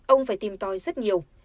ông phải tìm tòi rất nhiều